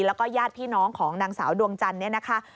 แล้วก็ญาติพี่น้องของนางสาวดวงจันทร์เนี่ยนะคะ